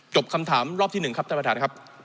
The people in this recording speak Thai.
คำถามรอบที่๑ครับท่านประธานครับ